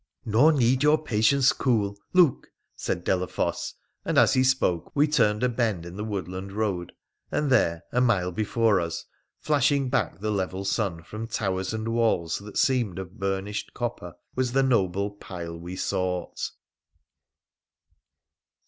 ' Nor need your patience cool ! Look !' said Delafosse, and as he spoke we turned a bend in the woodland road, and there, a mile before us, flashing back the level sun from towers and walls that seemed of burnished copper, was the noble pile we sought.